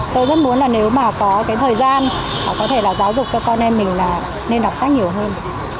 tôi rất muốn là nếu mà có cái thời gian họ có thể là giáo dục cho con em mình là nên đọc sách nhiều hơn